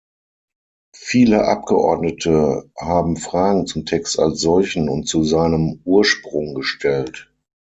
Viele Abgeordnete haben Fragen zum Text als solchen und zu seinem Ursprung gestellt.